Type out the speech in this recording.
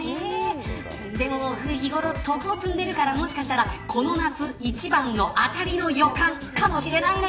でも日頃、徳を積んでるからもしかしたらこの夏一番の当たりの予感かもしれないね。